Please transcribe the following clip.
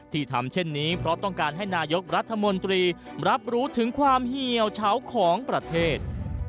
ที่ทำเช่นนี้เพราะต้องการให้นายกรัฐมนตรีรับรู้ถึงความเหี่ยวเฉาของประเทศ